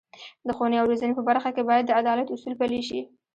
د ښوونې او روزنې په برخه کې باید د عدالت اصول پلي شي.